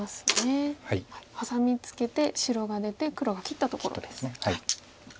ハサミツケて白が出て黒が切ったところです。